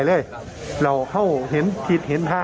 งูรำของขึ้นอยู่